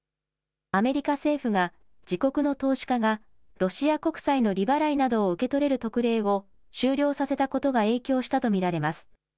アメリカ政府が自国の投資家がロシア国債の利払いなどを受け取れる特例を終了させたことが影響したと見られます。